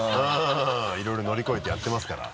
いろいろ乗り越えてやってますから。